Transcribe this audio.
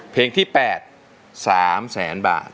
เพลงที่๘๓แสนบาท